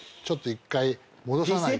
１回戻さないと。